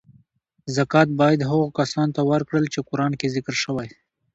زکات باید هغو کسانو ته ورکړل چی قران کې ذکر شوی .